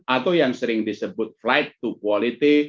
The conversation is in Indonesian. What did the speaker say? atau yang sering disebut flight to quality